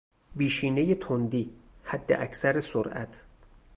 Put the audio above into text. بیشینهی تندی، حداکثر سرعت